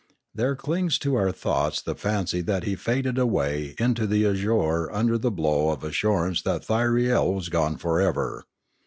There clings to our thoughts the fancy that he faded away into the azure under the blow of assurance that Thyriel was gone for ever.